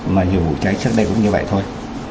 mà nhiều vụ cháy trước đây cũng như vậy thôi